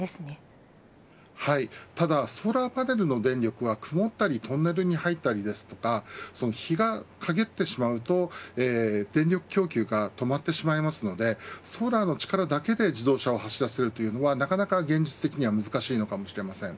ただソーラーパネルの電力は曇ったりトンネルに入ったりですとか日がかげってしまうと電力供給が止まってしまいますのでソーラーの力だけで自動車を走らせるというのはなかなか現実的には難しいのかもしれません。